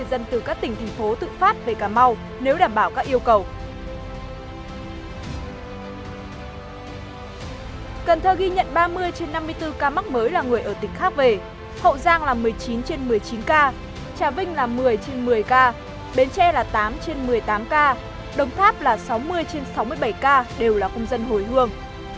cần thơ ghi nhận ba mươi trên năm mươi bốn ca mắc mới là người ở tỉnh kháp vể hậu giang là một mươi chín trên một mươi chín ca trà vinh là một mươi trên một mươi ca bến tre là tám trên một mươi tám ca đồng tháp là sáu mươi trên sáu mươi bảy ca đều là công dân hồi hương